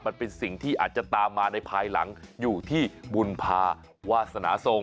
มันเป็นสิ่งที่อาจจะตามมาในภายหลังอยู่ที่บุญภาวาสนาทรง